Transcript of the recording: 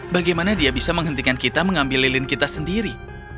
bagaimana dia bisa menghentikan kita mengambil lilin kita sendiri